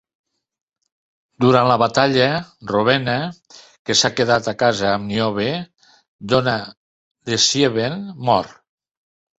Durant la batalla, Rowena, que s'ha quedat a casa amb Niobe, dona de Sieben, mor.